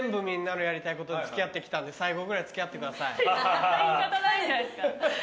そんな言い方ないんじゃないですか。